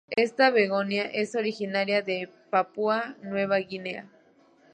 Esta begonia es originaria de Papua Nueva Guinea.